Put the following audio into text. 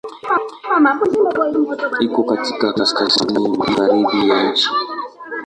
Uko katika kaskazini-magharibi ya nchi.